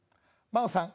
真央さん。